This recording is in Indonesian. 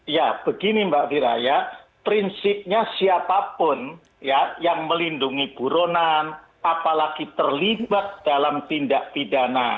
ya begini mbak fira ya prinsipnya siapapun yang melindungi buronan apalagi terlibat dalam tindak pidana